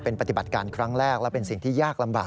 เป็นปฏิบัติการครั้งแรกและเป็นสิ่งที่ยากลำบาก